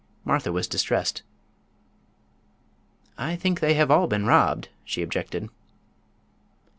Martha was distressed. "I think they have all been robbed," she objected.